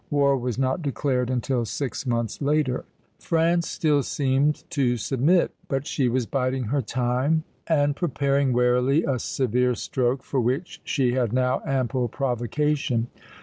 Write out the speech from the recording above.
War was not declared until six months later. France still seemed to submit, but she was biding her time, and preparing warily a severe stroke for which she had now ample provocation.